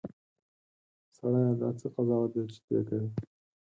سړیه! دا څه قضاوت دی چې ته یې کوې.